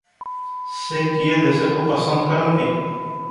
ସେ କିଏ ଦେଶକୁ ପସନ୍ଦ କରନ୍ତି?